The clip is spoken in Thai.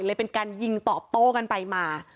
เป็นการยิงตอบโต้กันไปมา